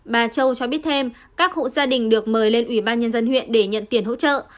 bà châu cho biết thêm các hộ gia đình được mời lên ủy ban nhân dân huyện để nhận tiền hỗ trợ